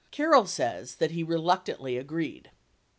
Carroll says that he "reluctantly" agreed.